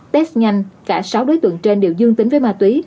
test nhanh cả sáu đối tượng trên đều dương tính với ma túy